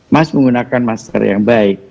mas menggunakan masker yang baik